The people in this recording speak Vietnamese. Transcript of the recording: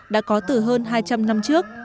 đã có từ hơn hai trăm linh năm trước